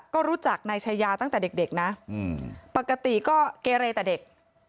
ก็รู้จักนายชายาตั้งแต่เด็กนะปกติก็เกเรแต่เด็ก